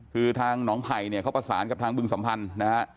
คือทางหนองไผ่เนี่ยเขาประสานกับทางบึงสัมพันธ์นะฮะ